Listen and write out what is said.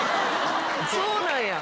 そうなんや。